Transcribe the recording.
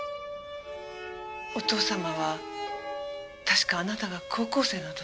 お父様は確かあなたが高校生の時。